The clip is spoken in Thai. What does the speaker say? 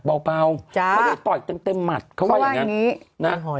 ถากเปล่าเขาเลยต่อยเต็มหมัดเขาว่าอย่างนี้